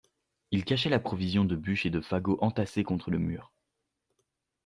Il cachait la provision de bûches et de fagots entassés contre le mur.